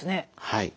はい。